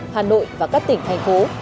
hà nội và các tỉnh thành phố